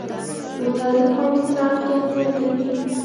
بوتل د خوړو صنعت کې اهمیت لري.